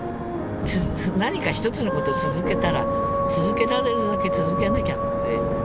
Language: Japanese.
何か一つのこと続けたら続けられるだけ続けなきゃって。